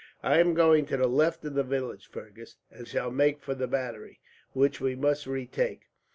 "I am going to the left of the village, Fergus, and shall make for the battery, which we must retake.